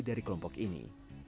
dari kelompok ini